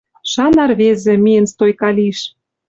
Шана ӹрвезӹ, миэн стойка лиш. —